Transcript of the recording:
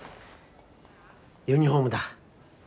ユニフォームだ。